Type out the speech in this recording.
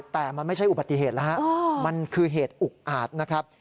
แต่มันไม่ใช่อุบัติเหตุแล้วฮะมันคือเหตุอุกอาจนะครับ